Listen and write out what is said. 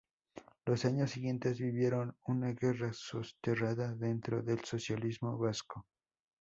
Los años siguientes vivieron una guerra soterrada dentro del socialismo vasco.